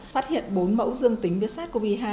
phát hiện bốn mẫu dương tính viết sát covid hai